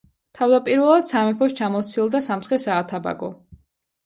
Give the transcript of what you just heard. თავდაპირველად სამეფოს ჩამოსცილდა სამცხე-საათაბაგო.